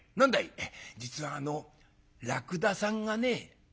「実はあのらくださんがね」。